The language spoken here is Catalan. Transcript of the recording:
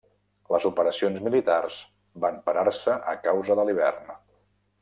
Les operacions militars van parar-se a causa de l'hivern.